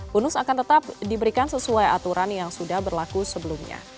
bonus akan tetap diberikan sesuai aturan yang sudah berlaku sebelumnya